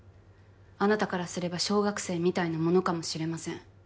あなたからすれば小学生みたいなものかもしれません。